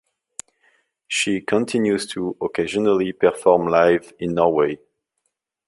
She continues to occasionally perform live in Norway.